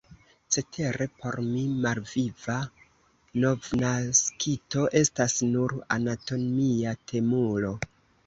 Cetere por mi malviva novnaskito estas nur anatomia temulo.